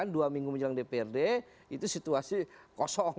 dua minggu menjelang dprd itu situasi kosong